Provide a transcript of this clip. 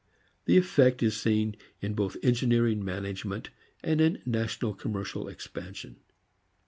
The effect is seen in both engineering management and in national commercial expansion.